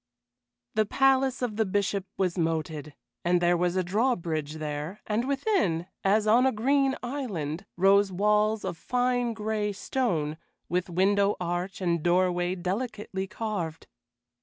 The palace of the Bishop was moated, and there was a drawbridge there, and within, as on a green island, rose walls of fine gray stone, with window arch and doorway delicately carved.